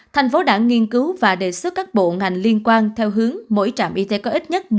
thành phố đã nghiên cứu và đề xuất các bộ ngành liên quan theo hướng mỗi trạm y tế có ít nhất